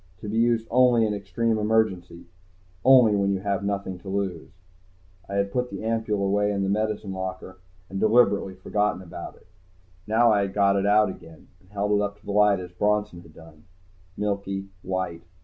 "To be used only in extreme emergency. Only when you have nothing to lose." I had put the ampule away in the medicine locker and deliberately forgotten about it. Now I got it out again and held it up to the light as Bronson had done. Milky, white.